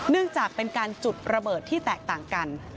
เนื่องจากเป็นการจุดระเบิดที่แตกต่างกัน